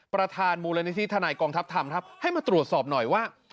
ประธานมูลนิธิทนายกองทัพธรรมครับให้มาตรวจสอบหน่อยว่า